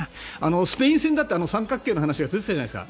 スペイン戦だって三角形の話が出ていたじゃないですか。